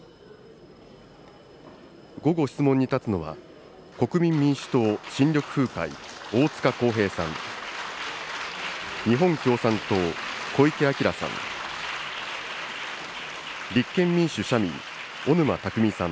午後、質問に立つのは、国民民主党・新緑風会、大塚耕平さん。